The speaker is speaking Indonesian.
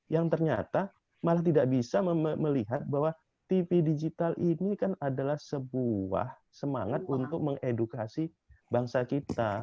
yang ternyata malah tidak bisa melihat bahwa tv digital ini kan adalah sebuah semangat untuk mengedukasi bangsa kita